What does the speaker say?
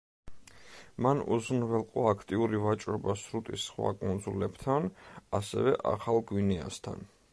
მან უზრუნველყო აქტიური ვაჭრობა სრუტის სხვა კუნძულებთან, ასევე ახალ გვინეასთან.